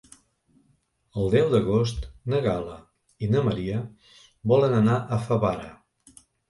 El deu d'agost na Gal·la i na Maria volen anar a Favara.